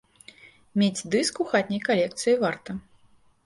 Мець дыск у хатняй калекцыі варта.